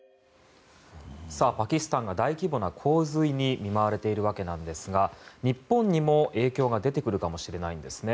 パキスタンが大規模な洪水に見舞われている訳ですが日本にも影響が出てくるかもしれないんです。